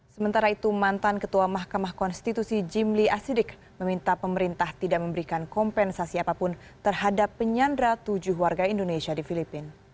sementara itu mantan ketua mahkamah konstitusi jimli asidik meminta pemerintah tidak memberikan kompensasi apapun terhadap penyandra tujuh warga indonesia di filipina